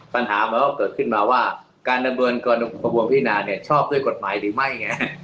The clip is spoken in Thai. ปัญหามันก็เกิดขึ้นมาว่าการดำเนินกระบวนพินาเนี่ยชอบด้วยกฎหมายหรือไม่ไง